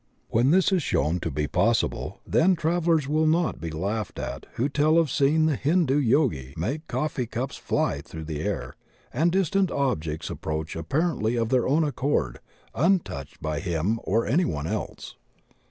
When this is shown to be possible then trav elers will not be laughed at who tell of seeing the Hindu yogi make coffee cups fly through the air and distant objects approach apparently of their own accord im touched by him or any one else.